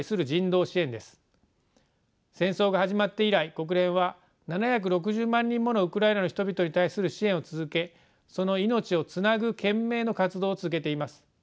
戦争が始まって以来国連は７６０万人ものウクライナの人々に対する支援を続けその命をつなぐ懸命の活動を続けています。